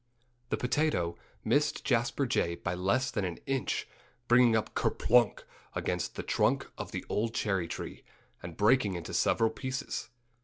The potato missed Jasper Jay by less than an inch, bringing up kerplunk! against the trunk of the old cherry tree, and breaking into several pieces.